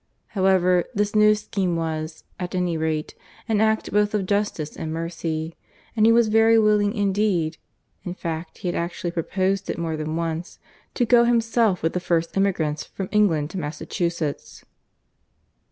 ... However, this new scheme was, at any rate, an act both of justice and mercy, and he was very willing indeed in fact he had actually proposed it more than once to go himself with the first emigrants from England to Massachusetts.